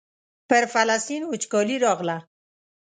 پر فلسطین وچکالي راغله.